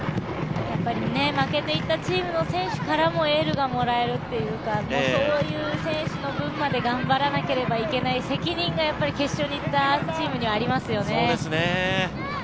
負けていった選手チームからもエールをもらえるというかそういう選手の分まで頑張らなければいけない責任が決勝に行ったチームにはありますよね。